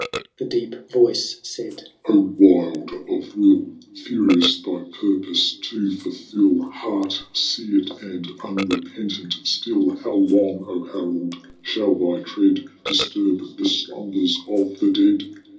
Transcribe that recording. VIII. The Deep Voice* said, " O wild of wiU, Furious thy purpose to fulfil* Heart seared and unrepentant still. How long, O Harold, shall thy tread Disturb the slumbers of the dead